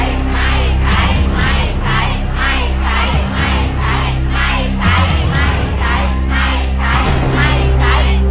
ไม่ใช้ไม่ใช้